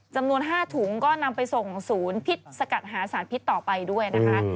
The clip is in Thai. จำนวน๕ถุงก็นำไปส่งศูนย์พิษสกัดหาสารพิษต่อไปด้วยนะคะ